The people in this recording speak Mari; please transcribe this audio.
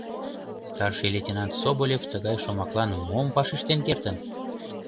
Старший лейтенант Соболев тыгай шомаклан мом вашештен кертын?